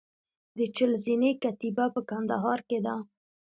د چهل زینې کتیبه په کندهار کې ده